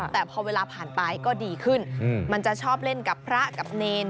แต่พอเวลาผ่านไปก็ดีขึ้นมันจะชอบเล่นกับพระกับเนร